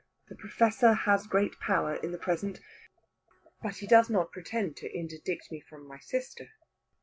The Professor has great power in the present, but he does not pretend to interdict me from my sister."